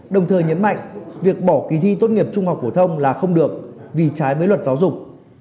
đồng thời nhấn mạnh việc bỏ kỳ thi tốt nghiệp trung học phổ thông là không được vì trái với luật giáo dục